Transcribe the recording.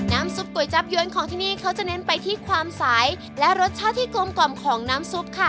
ซุปก๋วยจับยวนของที่นี่เขาจะเน้นไปที่ความใสและรสชาติที่กลมกล่อมของน้ำซุปค่ะ